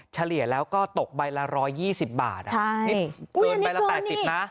เฉลี่ยแล้วก็ตกใบละ๑๒๐บาทนี่เกินใบละ๘๐นะ